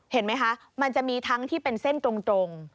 เห็นไหมคะมันจะมีทั้งที่เป็นเส้นตรง